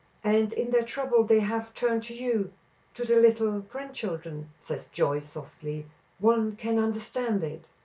"And in their trouble they have turned to you to the little grandchildren," says Joyce, softly. "One can understand it."